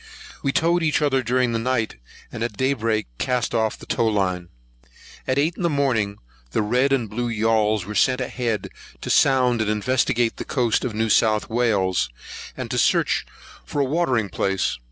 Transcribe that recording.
We towed each other during the night, and at day break cast off the tow line. At eight in the morning, the red and blue yauls were sent ahead, to sound and investigate the coast of New South Wales, and to search for a watering place.